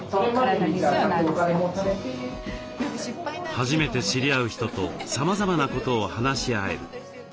初めて知り合う人とさまざまなことを話し合える。